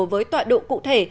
với tọa độ cụ thể